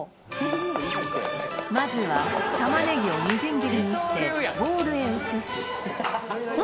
まずは玉ネギをみじん切りにしてボウルへ移す何？